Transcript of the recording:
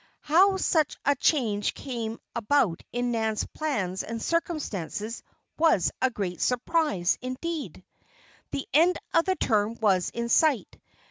How such a change came about in Nan's plans and circumstances, was a great surprise, indeed. The end of the term was in sight.